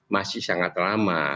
masih sangat lama